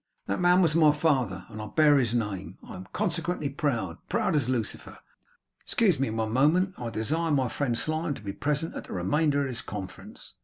'That man was my father, and I bear his name. I am consequently proud proud as Lucifer. Excuse me one moment. I desire my friend Slyme to be present at the remainder of this conference.